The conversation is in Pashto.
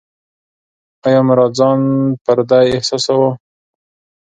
ایا مراد ځان پردی احساساوه؟